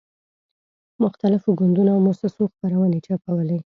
مختلفو ګوندونو او موسسو خپرونې چاپولې.